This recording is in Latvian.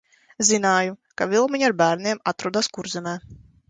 Zināju, ka Vilmiņa ar bērniem atradās Kurzemē.